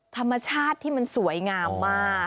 ธรรมชาติที่มันสวยงามมาก